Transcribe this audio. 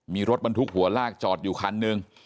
มีรถบ้านทุกหัวลากจอดอยู่คัน๑